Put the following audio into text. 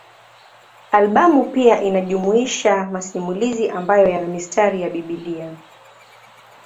Albamu pia inajumuisha masimulizi ambayo yana mistari ya Biblia.